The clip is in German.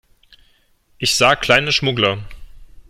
Ich sah kleine Schmuggler.